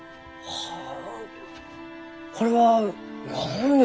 はあ。